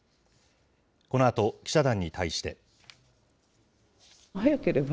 このあと、記者団に対して。